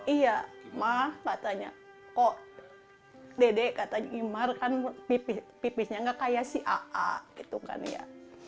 iya ma katanya kok dedek katanya imar kan pipisnya tidak seperti si aa